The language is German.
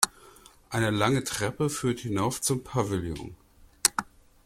Eine lange Treppe führt hinauf zum Pavillon.